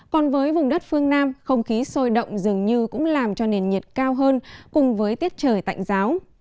còn với vùng đất phương nam không khí sôi động dường như cũng làm cho nền nhiệt cao hơn cùng với tiết trời tạnh giáo